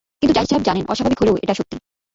কিন্তু জাহিদ সাহেব জানেন, অস্বাভাবিক হলেও এটা সত্যি।